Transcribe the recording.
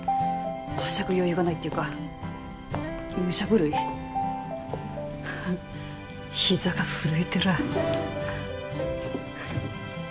はしゃぐ余裕がないっていうか武者震いひざが震えてらぁ